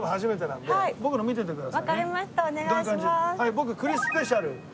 僕栗スペシャル。